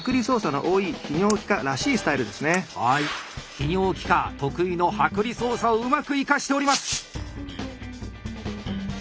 泌尿器科得意の剥離操作をうまく生かしております。